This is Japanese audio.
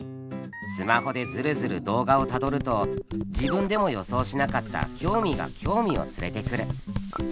スマホでヅルヅル動画をたどると自分でも予想しなかった興味が興味を連れてくる。